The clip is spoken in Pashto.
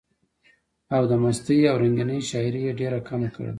او د مستۍ او رنګينۍ شاعري ئې ډېره کمه کړي ده،